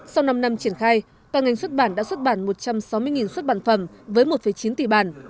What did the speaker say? sau năm năm triển khai toàn ngành xuất bản đã xuất bản một trăm sáu mươi xuất bản phẩm với một chín tỷ bản